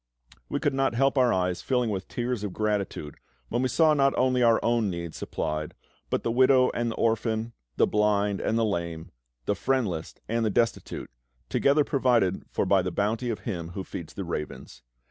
We could not help our eyes filling with tears of gratitude when we saw not only our own needs supplied, but the widow and the orphan, the blind and the lame, the friendless and the destitute, together provided for by the bounty of Him who feeds the ravens.